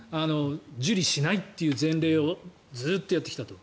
受理しないという前例をずっとやってきたと。